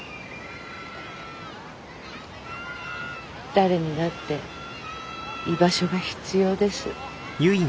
誰にだって居場所が必要です。